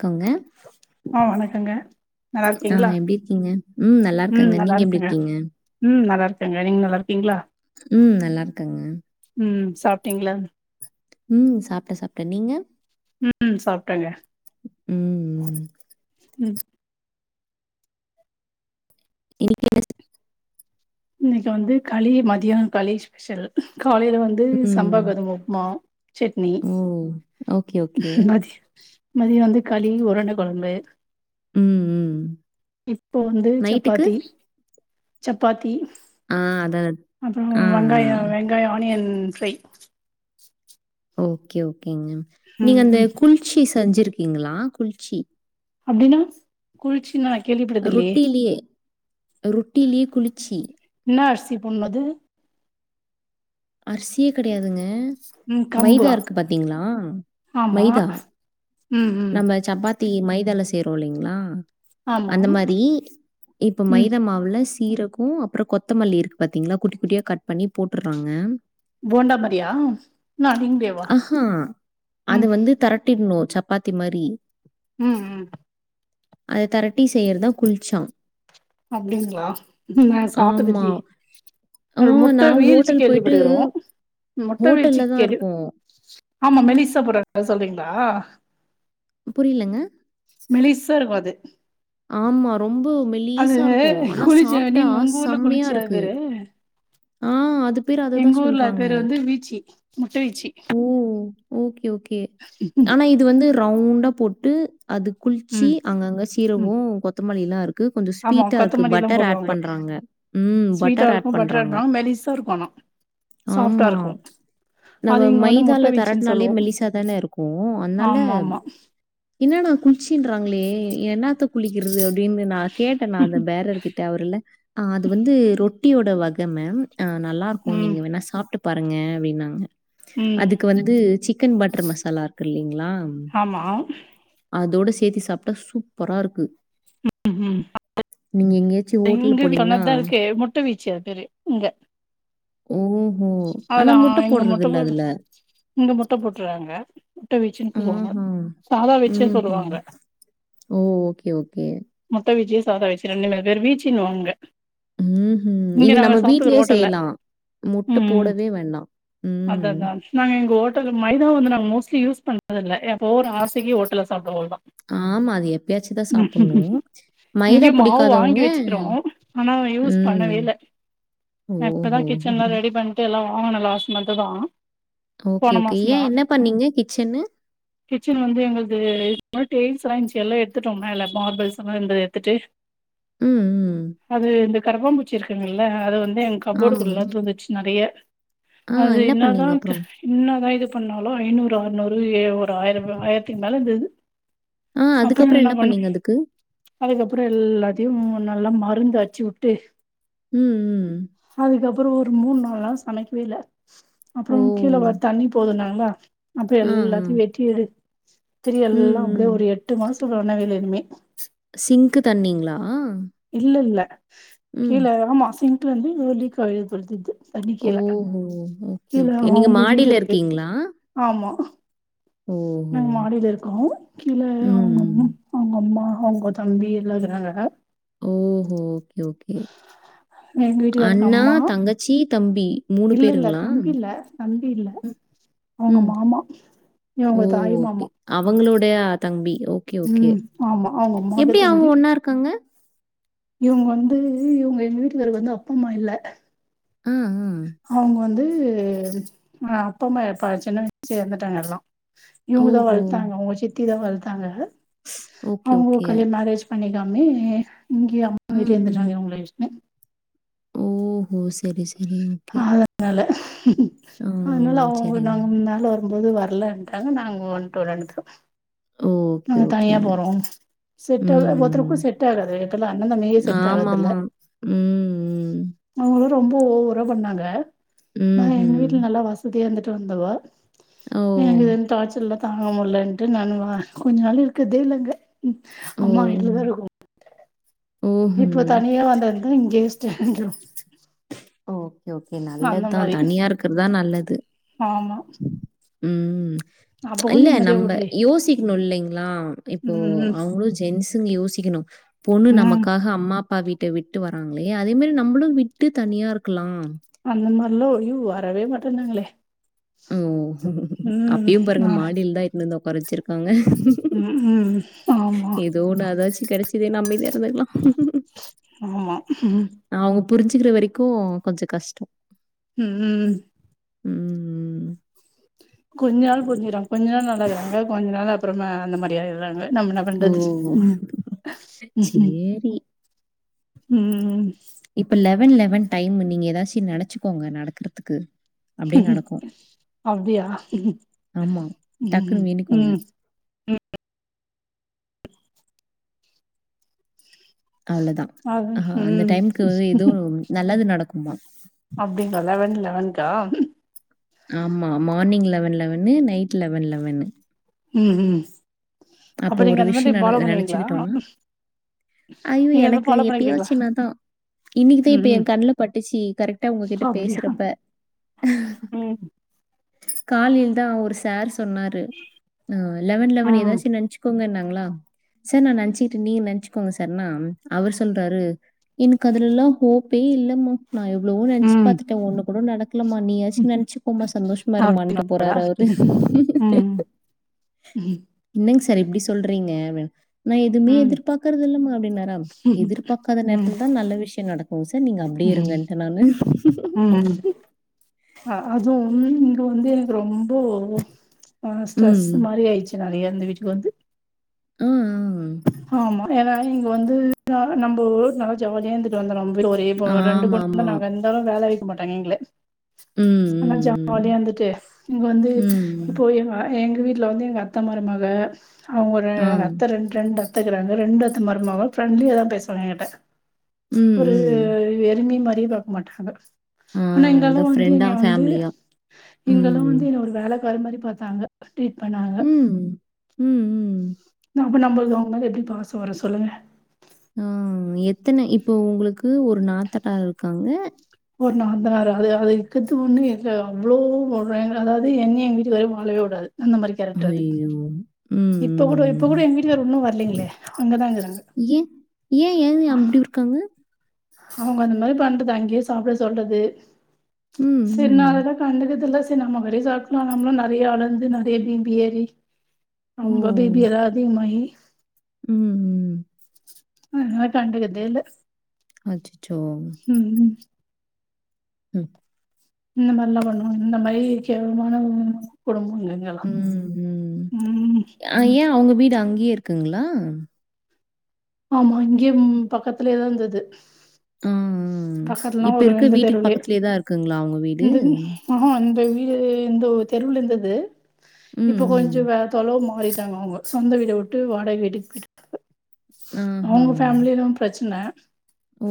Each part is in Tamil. க்காங்க ஆ வணக்கங்க நல்லா ஆ இருக்கீங்களா எப்டி இருக்கீங்க ம் நல்லா இருக்கங்க நீங்க எப்டி இருக்கீங்க ம் நல்லா இருக்கங்க நீங்க நல்லா இருக்கீங்ளா ம் நல்லா இருக்கங்க ம் சாப்ட்டீங்களா ம் சாப்ட்ட சாப்ட்ட நீங்க ம் சாப்ட்டங்க உம் உம் இன்னிக்கி என்னது இன்னிக்கு வந்து களி மதியோ களி ஸ்பெஷல் காலைல வந் து சம்பா ம். கோதும உப்மா சட்னி ஓ! Okay, okay. மதியோ மதியோ வந்து களி உருண்ட கொழம்பு ம், ம். இப்போ வந்து நைட்டுக்கு? சப்பாத்தி சப்பாத்தி ஆ அதால அப்புறோ வெங்காயோ வெங்காயோ ஆனியன் ஃப்ரை ஓகே ஓகேங்க நீங்க ம் அந்த ம் குள்ச்சி செஞ்சிருக்கீங்களா குள்ச்சி அப்டீன்னா குள்ச்சினா நா கேள்விப்பட்டது இல்லயே ரொட்டிலயே ரொட்டிலயே குளிச்சி என்னா அரிசி போண்ணது அர்சியே கெடையாதுங்க ம் கம்பா மைதா இருக்கு பாத்தீங்களா ஆமா மைதா ம் ம் நம்ம சப்பாத்தி மைதால செய்றோல்லிங்களா ஆமா அந்த மாதிரி இப்ப ம் மைதா மாவுல சீரகோ அப் புறோ கொத்தமல்லி இருக்கு பாத்தீங்களா குட்டி குட்டியா கட் பண்ணி போட்டுறாங்க போண்டா மாறியா இன்னோ அதுங்கூடயேவா ம் மாட்டிடணோ சப்பாத்தி மாரி ம் ம் அத தரட்டி செய்யறதா குள்ச்சா அப்டீங்களா நா ஆமா. சாப்பிட்டதில்லயே ஆ அது முட்ட நான் வீழ்ச்சி ஹோட்டல் போயிட்டு கேள்விப்பட்டுக்குறோ முட்ட வீழ்ச்சி ஹோட்டல்ல தான் கேள் இருக்கும். ஆமா மெலிசா போட்றத அத சொல்றீங்களா புரியுலங்க மெலிச்சாயிருக்கோ அது ஆமா ரொம்போ அது மெலிஸா இருக்கோ ஆனா குளிச்சு சாப்ட்டா நீங்க உங்க ஊர்ல செம்மையா குளிச்சி அது இருக்கு பேரு ஆஹ் ஆ அது பேர் அதுதா எங்க ஊர்ல அது சொல்றாங்க பேரு வந்து வீச்சி முட்ட வீச்சி ஓ ஓகே ஓகே ஆனா இது வந்து ரவுண்டா போட்டு அது குள்ச்சி ம் அங்கங்க சீரகோ ம் கொத்தமல்லிலா இருக் க்கு கொஞ்சோ ஆமா ஸ்வீட்டா இருக்கு கொத்தமல்லில்லா பட்டர் ஆட் போடுவாங்க பண்றாங்க ம் ஸ்வீட்டா பட்டர் ஆட் இருக்கு பட்டரா பண்றாங்க இருக்கு மெலிசா இருக்கு ஆனா சாஃப்டா ஆமா. இருக்கோ நம்ம மைதால தெரட்னாலே சொல்லுவோ மெலிசாதான இருக்கோ அத்னால ஆமா ஆமா என்னாடா குள்ச்சின்றாங்களே என்னாத்து குளிக்கிறது அப்டீன்னு நா கேட்டே நா அந்த பேரர் கிட்ட அவருல அது வந்து ரொட் ரொட்டியோட வக மேம் அ நல்லாருக்கோ ம் நீங்க வேணா சாப்ட்டு பாருங்க அப்டீன்னாங்க ம் அதுக்கு வந்து சிக்கன் பட்டர் மசாலா இருக்கு இல்லைங்களா ஆமா அதோட சேத்தி சாப்ட்டா சூப்பரா இருக்கு ம் ம் நீங்க எங்கேயாச்சும் ஹோட்டல் எங்க போனீங்கன்னா சொன்னதா இருக்கே முட் முட்ட வீச்சு அது பேரு இங்க ஓஹோ அதுல ஆனா முட்ட எங்க போ போட்றதில்ல அதுல இங்க முட்ட போட்டுறாங்க முட்ட வீச்சுன் சொலுவாங்க ஆஹா! சாத வீச்சு ம்ஹ்ம். சொல்லுவாங்க ஓ ஓகே ஓகே முட்ட வீச்சி சாதா வீச்சி ரெண்டுமே அது பேர் வீச்சின்னுவாங்க ம் ம் இது நம்ம வீட்லயே ஹோட்டல்ல செய்யலா முட்ட ம் போடவே வேண்டா ம் அதா அதா நாங்க எங்க ஹோட்டல் மைதா வந்து நாங் மோஸ்ட்லி யூஸ் பண்ணறதில்ல எப்போ ஒரு ஆசைக்கு ஹோட்டல்ல சாப்டுவோ அவ்ள்தா ஆமா அது எப்பயாச்சுதா சாப்பண்ணு மைதா இங்கயு மாவு பிடிக்காதவங்க வாங்கி வச்சுக்கிறோ ஆனா நா யூஸ் ம். பண்ணவேல்ல பா இப்பதா ஓஹோ! கிச்சன்லா ரெடி பண்ட்டு எல்லா வாங்குன லாஸ்ட் மந்த்துதா ஓகே போன ஓகே ஏ மாசந்தா என்ன பண்ணீங்க கிச்சன்னு கிச்சன் வந்து எங்களுக்கு இதுக் முன்னாடி டெயில்ஸ் ல்லா கவன்ச்சு எல்லா எட்த்திட்டோ மேல மார்பல்ஸுல்லா இருந்துது எடுத்துட்டு ம், ம். அது இந்த கருப்பாம்பூச்சி இருக்குங்கல்ல அது வந்து எங் ஆமா. கப்போடுக்குள்ளா பூந்துச்சு நெறைய ஆ அது என்ன இன்னாதா பண்ணீங்க க அப்புறம்? இன்னதா இது பண்ணாலு ஐநூறு ஆற்நூறு ஏ ஒரு ஆயிரோ [unintelligible] ஆயிரத்திக்கு மேல இந்துது ஆ அப்புறோ அதுக்கப்புறம் இன்னா என்ன பண்ணு பண்ணீங்க அதுக்கு? அதுக்கப்புறோ எல்லாத்தியு ம் நல்லா மருந்து அச்சு உட்டு ம் ம் ம் அதுக்கப்புறோ ஒரு மூணு நால் நாள் சமைக்கவே இல்ல ஓ! அப்பறோ கீழ வ தண்ணி வேற போதுனாங்ளா அப்று ஆ, ஆ. எல்லாத்யு வெட்டி எடு திரியு ம், எல்லா அப்டே ம். ஒரு எட்டு மாசோ பண்ணவே இல்ல எதுமே சிங்க்கு தண்ணிங்ளா இல்ல இல்ல கீழ ஆமா சிங்களந்து லீக்காயிருக்கு போல்திது தண்ணி கீழ ஓஹோ! ஓகே, கீழ் ஓகே. நீங்க அவுங்க வீடு மாடியில இருக்கு இருக்கீங்களா? ஆமா ஓஹோ! ஆமா மாடியில இருக்கோ கீழ ம், அவுங்கம்மா ம். அவுங்க அம்மா அவுங்க தம்பி எல்லாகிறாங்க ஓஹோ ஓகே ஓகே எங்க வீட்டுக்காருக்கு அண்ணா அம்மா தங்கச்சி தம்பி மூணு இல்ல இல்ல பேருங்ளா தம்பி இல்ல தம்பி இல்ல அவுங்க மாமா இவங்க ஓ தாய் ஓகே மாமா அவுங்களோடைய தம்பி ஓ கே ஓகே ம் ஆமா அவங்க அம்மாக்கு எப்டி அவுங் ஒன்னா இருக்காங்க இவுங்க வந்து இவுங்க எங்க வீட்டுகாருக்கு வந்து அப்பா அம்மா இல்ல ஆ, ஆ. அவங்க வந்து ஆ அப்ப அம்மா ப்ப சின்ன வயசுலே எறந்துட்டாங்க எல்லா இவங்கதா ஓஹோ! வள்த்தாங்க அவுங்க சி த்தி தா வள்த்தாங்க ஓகே, அவுங்க ஓகே. கல்யாண் மேரேஜ் பண்ணிக்காமே இங்கே அம்மா வீட்லே ம், ம். இருந்துட்டாங்க இவுங்ள வெஷ்னு ஓஹோ செரி செரி ஓகே னால ஆ, அதனால அவுங்க சரிங்க. நாங்க மேல வரும்போது வரல ன்டாங்க நாங்க வந்ட்டு ரெண்டு பேரு ஒரு ஓகே, நாங்க தனியா ஓகேங்க. போறோ செட் ம், ஆவ்ல ம். ஒத்தொருக்கு செட் ஆகாது இப்பெல்ல அண்ணன் தம்பிகே செட் ஆமாமா. ஆவர்தில்ல ம் ம் அவுங்களு ரொம்போ ஓவரா பண்ணாங்க நா எங்க ம்ஹ்ம். வீட்ல நல்லா வசதியா இருந்துட்டு வந்தவோ ஓ! இவங்கள் டார்ச்சர் எல்லாம் தாங்க முல்லன்ட்டு நான் வா கொஞ்ச நாள் இருக்குதே இல்லங்க ஓ! அம்மா வீட்ல தான் இருக்கோ ஓஹோ இப்ப தனியே வந்தது இங்கே ஸ்டான்றோ ஓகே ஓகே நல்லதுதான் மாரி தனியா இருக்கிறதான் நல்லது ஆமா ம் அப்பவு இல்ல நிம்மதியா நம்ம வுடலயே யோசிக்கணும் இல்லைங்களா இப்போ ம் அவங்களும் ஜென்ஸு யோசிக்கணும் பொண்ணு ம் நமக்காக அம்மா அப்பா வீட்ட விட்டு வராங்களே அதே மாரி நம்மளும் விட்டு தனியா இருக்கலாம் அந்த மாரிலாம் ஐயோ வரவே மாட்டான்ங்களே ஓ அப்யும் பாருங்க ஆ மாடியில தான் வந்து ஒக்காற வச்சிருக்காங்க ம் ம் ஆமா ஏதோ அதாச்சி கிடைச்சதே அமைதியா இருந்துக்கலாம் ஆமா அவுங்க புரிஞ்சுக்கிற வரைக்கும் கொஞ்சோ கஷ்டம் ம் ம் ம் ம். கொஞ்ச நாள் புரிஞ்சுறாங்க கொஞ்ச நாள் நல்லாக்குறாங்க கொஞ்ச நாள் அப்பறமா அந்த மாரி ஆய்றாங்க நம்ம என்ன ஓ! பண்றது ம் ம் சேரி. ம் இப்ப லெவன் லெவன் டைம் நீங்க ஏதாச்சும் நனச்சிக்கோங்க நடக்கிறதுக்கு அப்டியே நடக்கும் அப்டியா ஆமா ம் டக்குன்னு வேண்டிக்கோங்க ம் ம் அவ்ளோ தா அது அ அந்த ம் டைமுக்கு எதுவும் நல்லது நடக்குமா அப்டிங்களா லெவன் லெவன்கா ஆமா morning eleven eleven night eleven eleven ம் ம் அப்போ அப்ப ஒரு நீங்க அந்த விஷயோ மாரி நின ஃபாலோ பண்ணுவீங்களா நினைச்சிக்கிட்டோனா ஐயோ நீங்க அத எனக்கு ஃபாலோ பண்ணிக்கிறீங்களா எப்பயாச்சும் தானா இன்னிக்கு தான் ம் இப்ப ம் என் கண்ணுல பட்டுச்சு கரெக்டா உங்ககிட்ட அப்டியா பேசுறப்ப ம் காலைல தான் ஒரு சார் சொன்னாரு ஆ லெவன் லெவன் ம் ஏதாச்சும் நினைச்சுக்கோங்கனாங்களா சார் நான் நினைச்சிட்டு நீங்க நினைச்சுக்கோங்க சார்னா அவரு சொல்றாரு எனக்கு அதுலெல்லாம் ஹோப்பே இல்லமா நா எவ்ளோவோ நெனச்சு ம் பாத்துட்டன் ஒன்னு கூட நடக்கலமா நீயாச்சு நெனச்சு கோமா சந்தோஷமா அப்டி இருமான்ட்டு போறாரு அவுரு ம் ம் என்னங் சார் இப்டி சொல்றீங்க வென் நா எதுவுமே ம் எதிர்பாக்கறது இல்லமா அப்டின்னாரா எதிர்பாக்காத நேரத்துல்தா நல்ல விஷ்யம் நடக் ஓ சார் நீங்க அப்டியே இருங்கன்ட்ட நானு ஆமானம் அ அதுவும் இங்க வந்து ரொம்போ ஆ ஸ்ட்ரெஸ் ம். ம். மாறி ஆயிருச்சு நறையா இந்த வீட்டுக்கு வந்து ஆ, ஆ. ஆமா ஏன்னா இங்க வந்து யாரும் நம்ப ஊர் ந ஜாலியா இந்துட்டு வந்துருவோ ரெண்பேரும் ஒரே ரெண்டு பொண்ணு ஆமாமா. நாங்க இந்தாலும் வேல வைக்க மாட்டாங்க எங்ள ம், ஆனா ம், ஜாலியா இந்துட்டு இங்க வந்து ம். ம். இப்போ எ வ எங்க வீட்ல வந்து எங்க அத்த மருமக அவுங்க ரெ ஆ. அத்த ரெண்ரெண்டு அத்த இக்கிறாங்க ரெண்டு அத்த மருமவ ஃபிரண்ட்லியாதா பேசுவாங்க என்கிட்ட ம், ஒரு ம். வெருமி மாறி பாக்க மாட்டாங்க ஆ ஆனா இந்தாலு அதான் வந்து ஃப்ரெண்டா? என்னய வந்து ஃபேமிலியா? இங்கல்லா ம். வந்து என்ன ஒரு வேலக்காரி மாரி பாத்தாங்க ட்ரீட் பண்ணாங் ம் ம் ம் அப்ப நமளுக்கு அவுங்க மேல எப்டி பாசொ வரு சொல்லுங்க ஆ எத்தன இப்ப ஒங்களுக்கு ஒரு நாத்தனார் இருக்காங்க ஒரு நாத்தனாரு அது அது இக்கத்து ஒண்ணு இல்ல அவ்ளோ ஓ வேங்கறதாது என்னய எங்க வீட்டுக்காரயு வாழவே வு வுடாது அந்த மாரி கேரக்டர் அது அய்யோ இப்ப கூட இப்ப கூட எங்க வீட்டுகார் உன்னு வர்லைங்களே அங்கதாங்கிறாங்க ஏ ஏ ஏ அப்டி இருக்காங்க அவுங்க அந்த மாரி பண்றது அங்கயே சாப்ட சொல்றது ம் சரி நா ம். அதலா கண்டுக்கறதில்ல சரி நம்ம வேலய சாட்லா நம்மளு நெறைய அளந்து நெறைய பீப்பி ஏறி ஓ! ரொம்ப பீபி வேற அதிகமாயி ம் ம் அதனால கண்டுக்கதே இல்ல அச்சச்சோ ம் ம் இந்த மாரிலா பண்ணுவாங்க இந்த மாரி கேவலமான வுமன் குடும்மங்கள் கெலா ம் ஆ ஏ அவுங்க வீடு அங்கயே இருக்குங்ளா ஆமா இங்கயே பக்கத்துலயேதா இந்தது ம் ம் ம் இப்ப இருக்க இந்த வீட்டுக்கு தெருவுலே பக்கத்துலயே தா இருக்குங்களா அவுங்க வீடு இந்த ம் ஆஹ இந்த வீடு இந்த உ தெருவுல இந்தது ம், இப்ப ம். கொஞ்ச வே தொலவு மாறிட்டாங்க அவுங்க சொந்த வீட வுட்டு வாடக வீட்டுக்கு போயிட்டு ஆஹா! அவுங்க ஃபேமிலிலு பிரச்சன ஓ!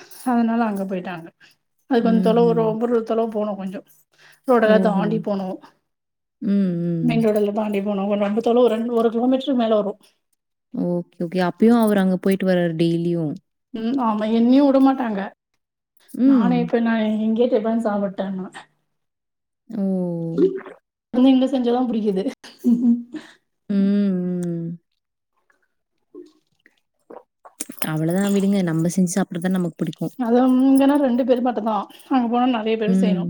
அ அதுனால அங்க போய்ட்டாங்க அது கொஞ்ச தொலவு ம்ஹ்ம். ரொம்ப ஒரு தொலவு போணு கொஞ்சோ ரோடலா ஓஹோ! தாண்டி போனு ம், மெயின் ம். ரோடுல தாண்டி போனு ஒரு ரெண்டு தொலவு ரெண் ஒரு கிலோமீட்டருக்கு மேல வரு ஓகே ஓகே அப்பியு அவர் அங்க போயிட்டு வராரு டெய்லியு ம் ஆமா என்னியு வுடமாட்டாங்க ம். நானு இப்ப நா இங்கயே இப்பதா சாப்புட்டே நா ஓ நீங்க செஞ்சாதா புடிக்கிது ம் ம் ம் அவ்வளதா விடுங்க நம்ம செஞ்சு சாப்புற்றதா நமக்கு புடிக்கு அது இங்கனா ரெண்டு பேர் மட்டுந்தா அங்க போனா நெறைய பேருக் ம். செய்யனு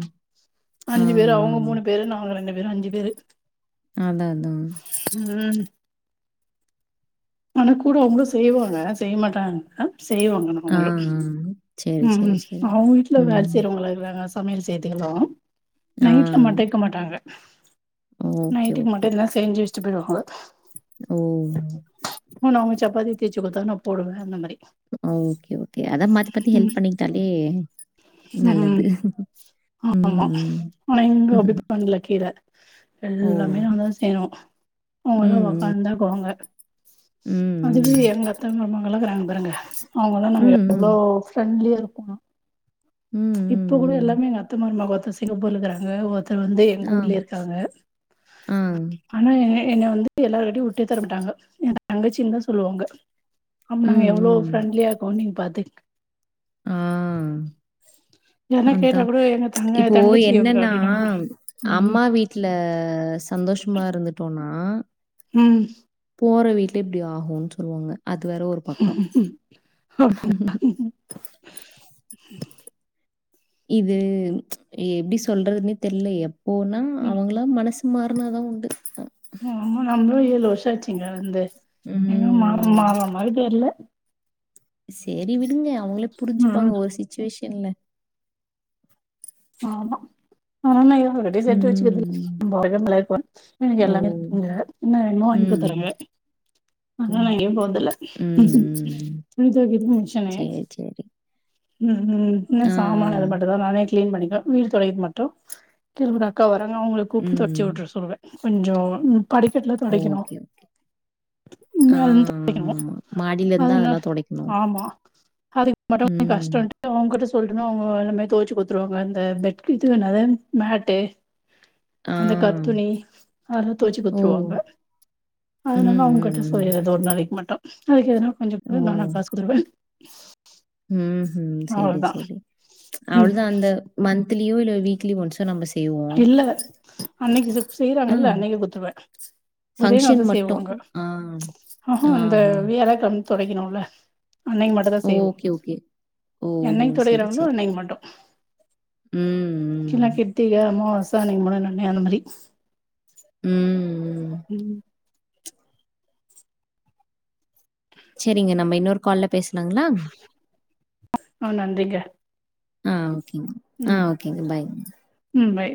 ஆ, அஞ்சு பேரு அவுங்க மூணு ஆ. பேரு நாங்க ரெண்டு பேரு அஞ்சு பேரு அதா அதா ம் ஆனா கூட அவுங்களு செய்வாங்க செய்ய மாட்டாங்கக்க செய்வாங்க ஆ, ஆ. அவுங்களு சரி, சரி, ம் சரி. அவுங்க வீட்ல வேல ம். செய்றவங்களா இற்றாங்க சமையல் சேத்திகளு ஆ. நைட்ல மட்டு வைக்க மாட்டாங்க ஓகே, நைட்டுக்கு மட்டு ஓகே. இதுதா செஞ்சு வச்சுட் போய்றுவாக ஓ உ அவுங்க சப்பாத்தி தேச்சா கொடுத்த நா போடுவே அந்த மாதிரி ஓகே ஓகே அதா மாத்தி மாத்தி ஹெல்ப் பண்ணிக்கிட்டாலே நல்லது. உம் ம், ஆமா ம். ஆனா இங்க அப்டி பண்ல கீர ஓ! எல்லாமே நாங்கதா செய்னோ அவங்கல்லா ம், ம். ஒக்காந்துதாக்குவாங்க ம், அதுவே ம். எங்க அத்தா மாமால்லா இக்கறாங்க பாருங்க அவுங்கள்லா ம், நாங்க எவ்வளோ ம். ஃப்ரெண்ட்லியா இருக்கோணு ம் இப்ப கூட ம், ம். எல்லாமே எங்க அத்த மருமா ஒருத்த சிங்கப்பூர்ல இக்கிறாங்க ஒருத் தர் வந்து எங்க ஆ, ஊர்லயே இருக்காங்க ஆ. ஆனா என்ன என்னய வந்து எல்லார்க்கிட்டயும் உட்டு தர மாட்டாங்க என்ன‌ தங்கச்சின்னுதா சொல்லுவாங்க அப் நாங்க ம், எவ்ளோ ம். ஃப்ரெண்ட்லியா இருக்கோ நீங்க பாத்து ஆ யார்னா அத்தா கேட்டா கூட எங்க தங்க இப்போ தங்கச்சி இவங்க என்னன்னா அப்டின்னாங்க ம் அம்மா வீட் வீட்ல சந்தோஷமா இருந்துட்டோன்னா ம் போற வீட்ல இப்டி ஆகுன்னு சொல்லுவாங்க அது வேற ஒரு பக்கோ இது எப்டி சொல்றதுன்னே தெர்ல எப்போனா ம் அவுங்களா மனசு மாறுனா தான் உண்டு ஆமா நம்பளு ஏழு வருஷ ஆச்சுங்க வந்து இங்களு மாற ம். மாற மாரி தெர்ல சேரி விடுங்க அவுங்களே புரிஞ்சுப்பாங்க ம் ஒரு சுச்சுவேஷன்ல ஆமா ஆனா நா ரெடி சேத்து வச்சுக்கறது ம். நம்ப ஒலகத்துலருக்க எனக்கு ஓ! எல்லாமே இருக்குங்க என்ன வேணுமோ வாங்கி குடுத்துறாங்க ம். ஆனா ம். நா ம். எங்கியு போறதில்ல துணி ம். தொவைக்கிறதுக்கு மிஷினு சரி, சரி. ம் ம் என்ன ஆ, சாமான் அது ஆ. மட்டுந்தா நானே கிளீன் பண்ணிக்குவ வீடு் தொடைக்க மட்டு [unintelligible] அக்கா வராங்க அவங்கள கூப்ட்டு ம். தொச்சு விட்டுரு சொல்லுவ கொஞ்ச ம் படிக்கட்டுல தொடைக்கணு ஓகே. ஆ மேல இருந்து தொடைக்கணு ஆமாமா. மாடில இருந்தா அதனா அதெல்லாம் தொடைக்கணும். ஆமா அதுக்கு மட்டு ம். கஷ்டோண்ட் அவுங்கட்ட சொலட்டேன்னா அவங்க எல்லாமே தொவச்சு குடுத்துருவாங்க அந்த பெட் கிட் இது என்னது மேட்டு ஆ. அந்த கர்த்துணி அதெல்லா தொவச்சு ஓ! குத்துருவாங்க ம், அதனால ம், அவுங்ககிட்ட ம். சொல்லிறது ஒரு நாளைக்கு மட்டு அதுக்கு எதுனா கொஞ்ச ஓ! குடு நானா காசு குடுக்கற ம் ம் சேரி சேரி ம் அவ்வளோதா அந்த மந்த்லியோ இல்ல வீக்லி ஒன்ஸோ நம்ப செ இல்ல அன்னைக்கு செய்யறாங்க ஆ. இல்ல அன்னைக்கே குத்துருவே ஒரே ஃபங்ஷன் நாள்தா மட்டும். செய்வாங்க ஆ. ஆஹ அந்த ஆஹா. வியாழக்கெழம் தொடைக்கணும்ல அன்னைக்கு மட் டுதா செய்வோ ஓகே, ஓகே. ஓஹோ! என்னைக் சரி, தொடைக்கிறாங்களோ சரி. அன்னைக்கு மட்டு ம் கீன கிருத்திக அம்மாவாச அன்னைக்கு மட் நனே மாரி ம் ம் ம் சேரிங்க நம்ப இன்னொரு கால்ல பேசலாங்களா ஆ நன்றிங்க ஆ ஓகேங்க ஆ ம் ஓகேங்க பாய்ங்க ம் பாய்